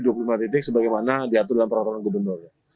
jadi dua puluh lima titik sebagaimana diatur dalam peraturan gubernur